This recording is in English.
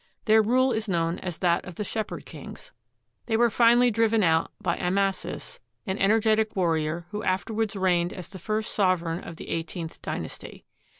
Their rule is known as that of the Shepherd Kings. They were finally driven out by Amasis, an energetic warrior who afterwards reigned as the first sov ereign of the Eighteenth Dynasty.